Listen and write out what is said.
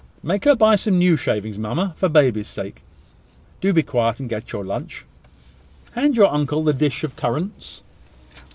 "Make her buy some new shavings, mamma, for baby's sake." "Do be quiet, and get your lunch. Hand your uncle the dish of currants."